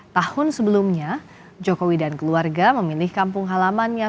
tahun sebelumnya jokowi dan keluarga memilih kampung halamannya